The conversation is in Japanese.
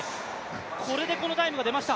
これでこのタイムが出ました。